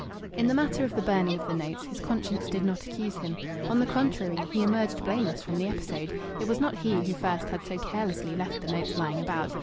In the matter of the burning of the notes his conscience did not accuse him. On the contrary, he emerged blameless from the episode. It was not he who first had so carelessly left the notes lying about.